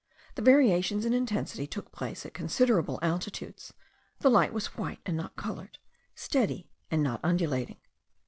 The variations in intensity took place at considerable altitudes; the light was white, and not coloured; steady, and not undulating.